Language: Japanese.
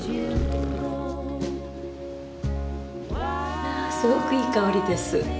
あすごくいい香りです。